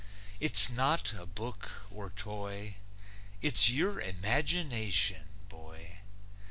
It's not a book or toy; It's your imagination, boy.